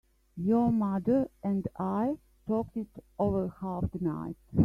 Your mother and I talked it over half the night.